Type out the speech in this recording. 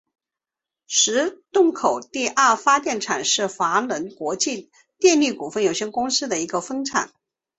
石洞口第二发电厂是华能国际电力股份有限公司的一个分厂。